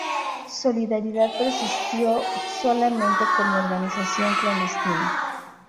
Solidaridad persistió solamente como organización clandestina.